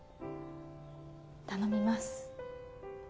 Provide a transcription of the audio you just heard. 頼みます。